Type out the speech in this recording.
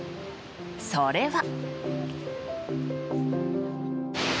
それは。